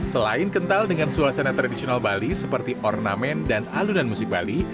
selain kental dengan suasana tradisional bali seperti ornamen dan alunan musik bali